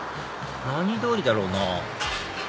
何通りだろうな？